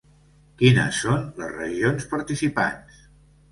Quines són les regions participants?